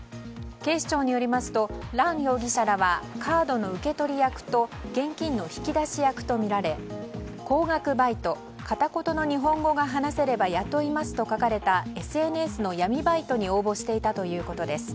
警視庁によりますとラン容疑者らはカードの受け取り役と現金の引き出し役とみられ高額バイト、片言の日本語が話せれば雇いますと書かれたＳＮＳの闇バイトに応募していたということです。